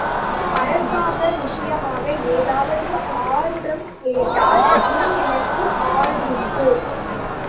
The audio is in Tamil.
அரசாங்க விஷயமாக ஏதாவது ஆருடம் கேட்டால், நீ எனக்கு ஆளனுப்பு!